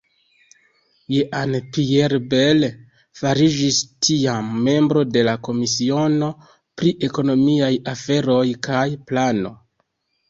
Jean-Pierre Bel fariĝis tiam membro de la komisiono pri ekonomiaj aferoj kaj plano.